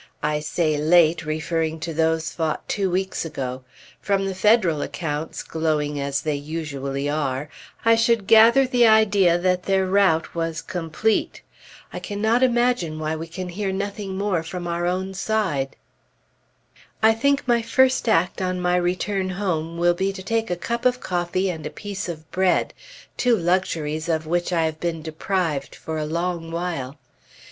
I say late, referring to those fought two weeks ago. From the Federal accounts, glowing as they usually are, I should gather the idea that their rout was complete. I cannot imagine why we can hear nothing more from our own side.... I think my first act on my return home will be to take a cup of coffee and a piece of bread, two luxuries of which I have been deprived for a long while.